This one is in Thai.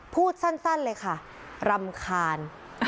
พูดสั้นเลยค่ะรำคาญ